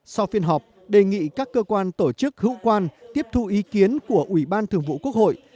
sau phiên họp đề nghị các cơ quan tổ chức hữu quan tiếp thu ý kiến của ủy ban thường vụ quốc hội